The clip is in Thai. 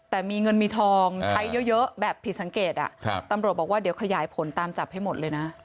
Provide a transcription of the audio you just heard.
แต่มีเงินมีทองใช้เยอะแบบผิดสังเกตตำรวจบอกว่าเดี๋ยวขยายผลตามจับให้หมดเลยนะ